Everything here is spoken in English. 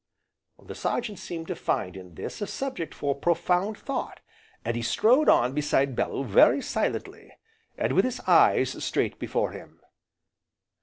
The Sergeant seemed to find in this a subject for profound thought, and he strode on beside Bellew very silently, and with his eyes straight before him.